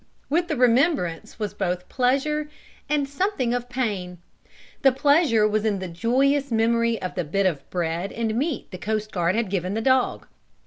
With the remembrance was both pleasure and something of pain. The pleasure was in the joyous memory of the bit of bread and meat the coast guard had given the dog.